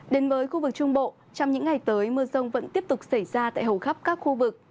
đến với khu vực trung bộ trong những ngày tới mưa rông vẫn tiếp tục xảy ra tại hầu khắp các khu vực